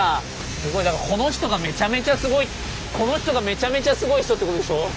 すごいだからこの人がめちゃめちゃすごいこの人がめちゃめちゃすごい人ってことでしょう？